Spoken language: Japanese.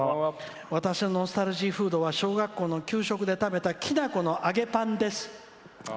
私のノスタルジーフードは給食で食べた、きなこの揚げパンです」。